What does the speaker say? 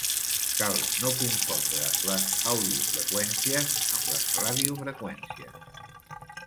Cal no confondre les audiofreqüències amb les radiofreqüències.